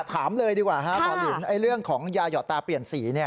ถามเลยดีกว่าหมอลินเรื่องของยาหยอดตาเปลี่ยนสี